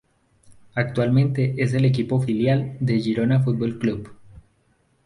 Actualmente es el equipo filial del Girona Futbol Club.